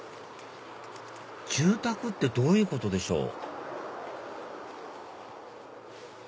住宅ってどういうことでしょう？